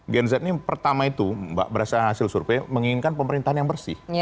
gen z ini pertama itu mbak berdasarkan hasil survei menginginkan pemerintahan yang bersih